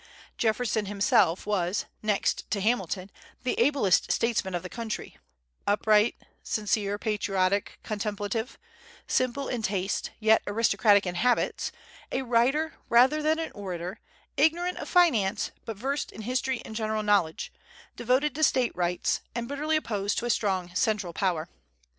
Jefferson himself was, next to Hamilton, the ablest statesman of the country, upright, sincere, patriotic, contemplative; simple in taste, yet aristocratic in habits; a writer rather than an orator, ignorant of finance, but versed in history and general knowledge, devoted to State rights, and bitterly opposed to a strong central power.